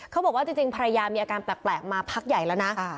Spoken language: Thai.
เขาบอกว่าจริงภรรยามีอาการแปลกมาพักใหญ่แล้วนะ